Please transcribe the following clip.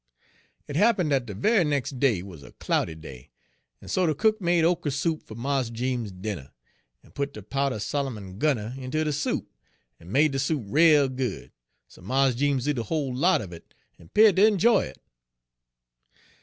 It happen' dat de ve'y nex' day wuz a cloudy day, en so de cook made okra soup fer Mars Jeems's dinnah, en put de powder Solomon gun her inter de soup, en made de soup rale good, so Mars Jeems eat a whole lot of it en 'peered ter enjoy it.